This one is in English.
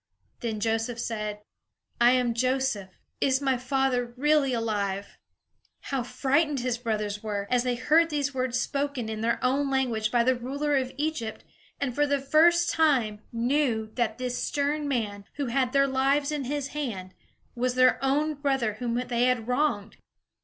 Then Joseph said: "I am Joseph; is my father really alive?" How frightened his brothers were, as they heard these words spoken in their own language by the ruler of Egypt and for the first time knew that this stern man, who had their lives in his hand, was their own brother whom they had wronged!